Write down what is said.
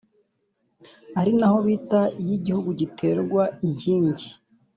ari naho bita “iyo igihugu giterwa inkingi”